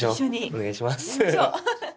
お願いします。